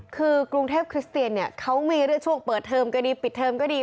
คือกรุงเทพคริสเทียนเขามีเรื่องช่วงเปิดเทอมก็ดีปิดเทอมก็ดี